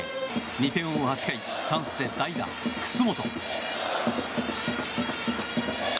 ２点を追う８回チャンスで代打、楠本。